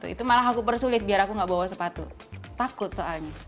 itu malah aku persulit biar aku nggak bawa sepatu takut soalnya